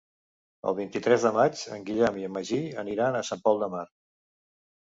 El vint-i-tres de maig en Guillem i en Magí aniran a Sant Pol de Mar.